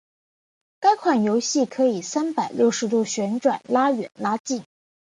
该款游戏可以三百六十度旋转拉远拉近。